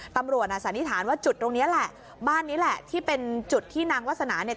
ตำรวจอ่ะสันนิษฐานว่าจุดตรงนี้แหละบ้านนี้แหละที่เป็นจุดที่นางวาสนาเนี่ย